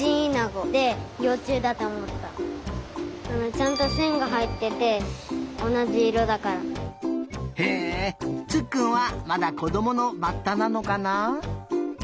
ちゃんとせんがはいってておなじいろだから。へえつっくんはまだこどものバッタなのかな？